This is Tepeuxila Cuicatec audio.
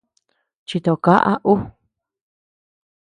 Chito kaʼa ú.